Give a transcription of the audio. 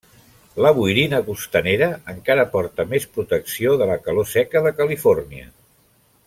La boirina costanera encara porta més protecció de la calor seca de Califòrnia.